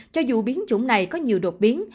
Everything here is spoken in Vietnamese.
cho dù biến chủng này có nhiều đột biến